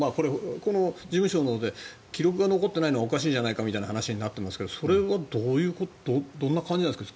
この事務所の記録が残っていないのはおかしいんじゃないかみたいな話がありますがそれはどんな感じなんですか。